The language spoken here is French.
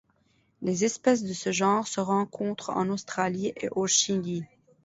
Les espèces de ce genre se rencontrent en Australie et au Chili.